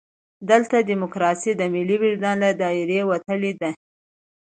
دلته ډیموکراسي د ملي وجدان له دایرې وتلې ده.